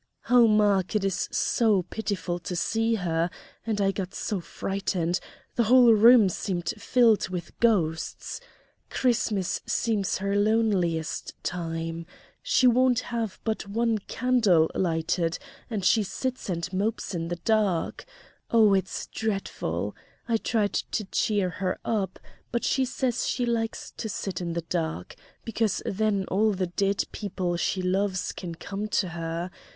"Oh, Mark, it is so pitiful to see her! and I got so frightened; the whole room seemed filled with ghosts. Christmas seems her loneliest time. She won't have but one candle lighted, and she sits and mopes in the dark. Oh, it's dreadful! I tried to cheer her up, but she says she likes to sit in the dark, because then all the dead people she loves can come to her.